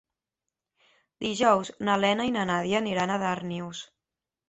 Dijous na Lena i na Nàdia aniran a Darnius.